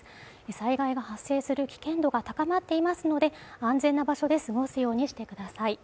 災害が発生する危険度が高まっていますので安全な場所で過ごすようにしてください。